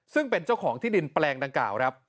ซึ่งเป็นเจ้าของที่ดินแปลงดังกล่าวครับ